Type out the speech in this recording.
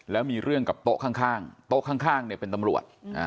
แล้วมีเรื่องกับโต๊ะข้างโต๊ะข้างเนี่ยเป็นตำรวจ